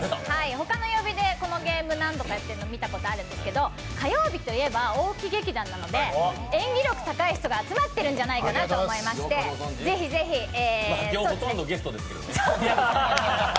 他の曜日でこのゲーム、何度かやっているのを見たことがあるんですけど、火曜日といえば大木劇団なので演技力高い人が集まってるんじゃないかなと思って、今日ほとんどゲストですけどね。